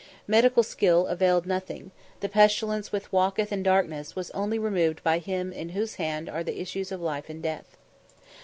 Medical skill availed nothing; the "pestilence which walketh in darkness" was only removed by Him in whose hand are the issues of life and death.